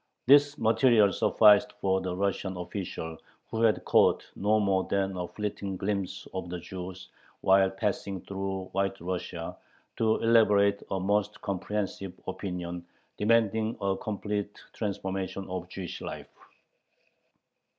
This material sufficed for the Russian official, who had caught no more than a fleeting glimpse of the Jews while passing through White Russia, to elaborate a most comprehensive "Opinion" demanding a complete transformation of Jewish life.